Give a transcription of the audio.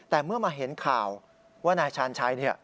แต่เมื่อมาเห็นข่าวว่านายชาญชัย